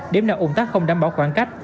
điểm nào ủng tắc không đảm bảo khoảng cách